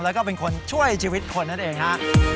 แล้วก็เป็นคนช่วยชีวิตคนนั่นเองฮะ